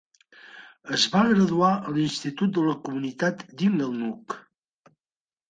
Es va graduar a l'Institut de la Comunitat d'Inglenook.